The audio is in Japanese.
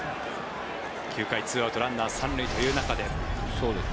９回２アウトランナー３塁という中で。